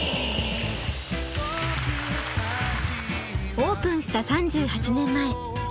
オープンした３８年前。